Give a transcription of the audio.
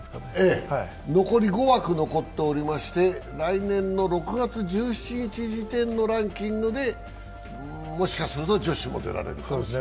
残り５枠残っておりまして、来年の６月１７日時点のランキングでもしかすると女子も出られるかもしれない。